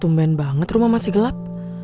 tumben banget rumah masih gelap